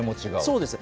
そうです。